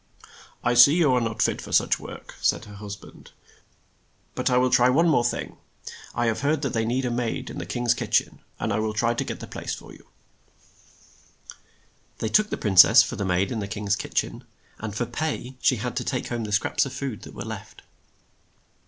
"I see you are not fit for such work," said her hus band. "But I will try one thing more. I have heard that they need a maid in the king's kitch en, and I will try to get the place for you," They took the prin cess for maid in the king's kit chen, and for pay she had to take home the scraps of food that were left.